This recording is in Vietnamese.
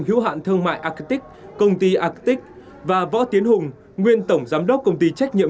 hữu hạn thương mại acic công ty agic và võ tiến hùng nguyên tổng giám đốc công ty trách nhiệm